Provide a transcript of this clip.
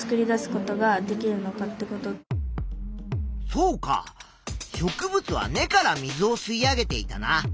そうか植物は根から水をすい上げていたな。